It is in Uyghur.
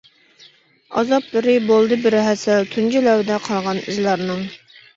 ئازابلىرى بولدى بىر ھەسەل، تۇنجى لەۋدە قالغان ئىزلارنىڭ.